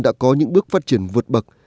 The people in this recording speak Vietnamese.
đã có những bước phát triển vượt bậc